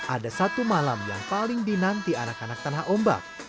ada satu malam yang paling dinanti anak anak tanah ombak